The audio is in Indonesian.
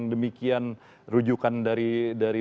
demikian rujukan dari